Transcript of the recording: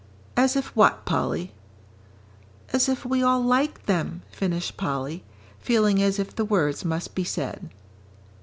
"As if what, Polly?" "As if we all liked them," finished Polly, feeling as if the words must be said.